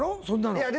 そんなの。